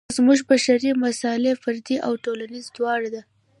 زموږ بشري مساله فردي او ټولنیزه دواړه ده.